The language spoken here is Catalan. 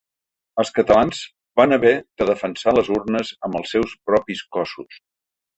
Els catalans van haver de defensar les urnes amb els seus propis cossos.